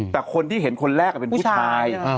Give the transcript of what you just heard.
แต่คนที่เห็นคนแรกเป็นผู้ชาย